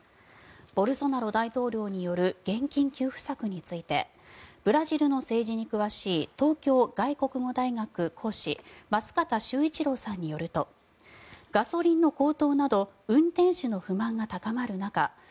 ボルソナロ大統領による現金給付策についてブラジルの政治に詳しい東京外国語大学講師舛方周一郎さんによるとガソリンの高騰など運転手の不満が高まる中